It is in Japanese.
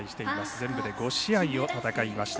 全部で５試合を戦いました。